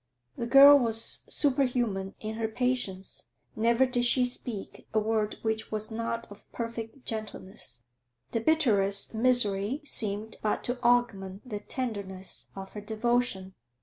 The girl was superhuman in her patience; never did she speak a word which was not of perfect gentleness; the bitterest misery seemed but to augment the tenderness of her devotion.